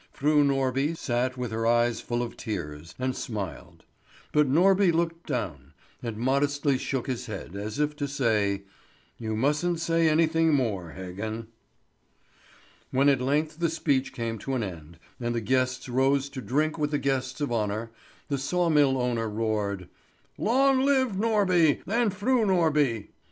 Fru Norby sat with her eyes full of tears, and smiled; but Norby looked down, and modestly shook his head, as if to say, "You mustn't say anything more, Heggen." When at length the speech came to an end, and the guests rose to drink with the guests of honour, the saw mill owner roared: "Long live Norby and Fru Norby!